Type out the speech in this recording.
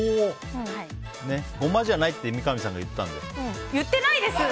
ゴマじゃないって三上さんが言ったんだよ。